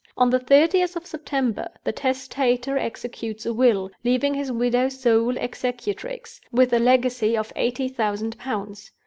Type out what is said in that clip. On the thirtieth of September, the Testator executes a will, leaving his widow sole executrix, with a legacy of eighty thousand pounds.